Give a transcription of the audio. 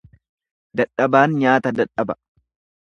Dadhabaan nyaata dadhaba.